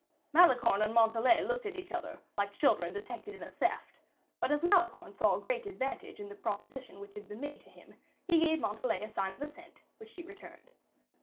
Malicorne and Montalais looked at each other, like children detected in a theft; but as Malicorne saw a great advantage in the proposition which had been made to him, he gave Montalais a sign of assent, which she returned.